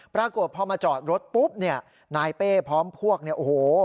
ปรากฏพอมาจอดรถปุ๊บเนี่ยนายเป้พร้อมพวกเนี่ยโอ้โห